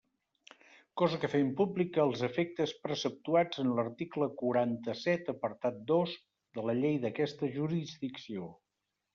Cosa que fem pública als efectes preceptuats en l'article quaranta-set apartat dos de la llei d'aquesta jurisdicció.